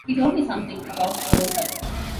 He told me something about overstudy.